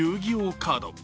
カード。